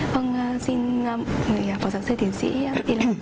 vâng xin người phó giáo sư thiền sĩ đi lặng